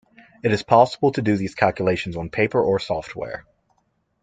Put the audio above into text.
It is possible to do these calculations on paper or software.